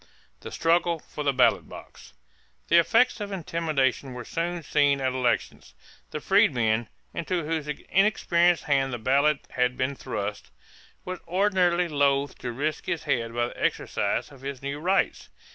=The Struggle for the Ballot Box.= The effects of intimidation were soon seen at elections. The freedman, into whose inexperienced hand the ballot had been thrust, was ordinarily loath to risk his head by the exercise of his new rights.